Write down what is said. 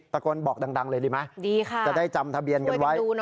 ตะโกนบอกดังเลยดีไหมดีค่ะจะได้จำทะเบียนกันไว้